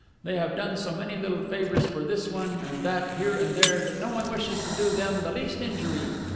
They have done so many little favors for this one and that, here and there, that no one wishes to do them the least injury.